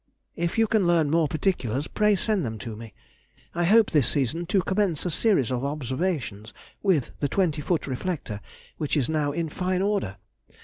If you can learn more particulars, pray send them to me. I hope this season to commence a series of observations with the twenty foot reflector, which is now in fine order.